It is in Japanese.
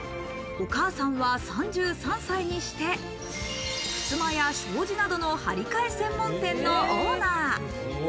お母さんは３３歳にして、ふすまや障子などの張り替え専門店のオーナー。